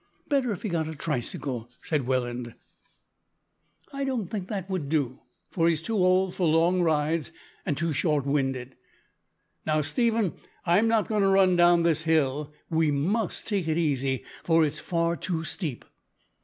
"Better if he got a tricycle," said Welland. "I don't think that would do, for he's too old for long rides, and too short winded. Now, Stephen, I'm not going to run down this hill. We must take it easy, for it's far too steep."